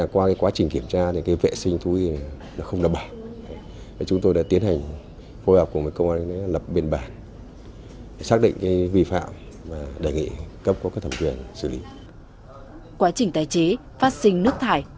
quá trình tái chế phát sinh nước thải